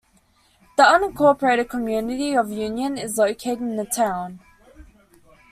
The unincorporated community of Union is located in the town.